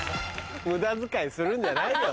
無駄遣いするんじゃないよ